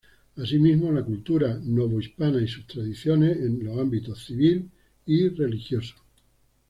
Asimismo, la cultura novohispana y sus tradiciones en los ámbitos civil y religioso.